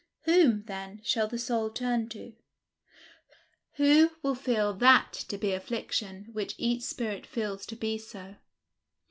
Whom, then, shall the soul turn to? Who will feel that to be affliction which each spirit feels to be so?